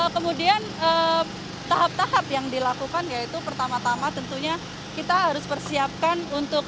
kemudian tahap tahap yang dilakukan yaitu pertama tama tentunya kita harus persiapkan untuk